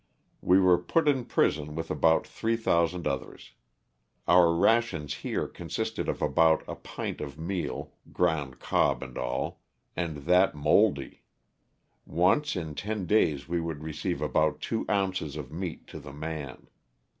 We were put in prison with about 3,000 others. Our rations here consisted of about a pint of meal (ground cob and all), and that mouldy ; once in ten days we would receive about two ounces of meat to the man.